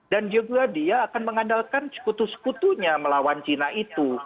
dan juga dia akan mengandalkan sekutu sekutunya melawan china itu